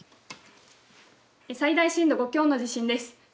最大震度５強の地震です。